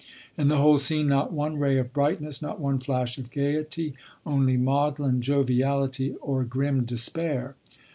In the whole scene, not one ray of brightness, not one flash of gaiety, only maudlin joviality or grim despair.